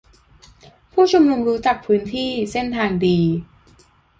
-ผู้ชุมนุมรู้จักพื้นที่-เส้นทางดี